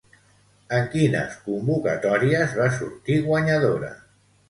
En quines convocatòries va sortir guanyadora?